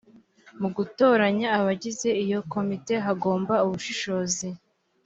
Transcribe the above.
mu gutoranya abagize iyo komite hagomba ubushishozi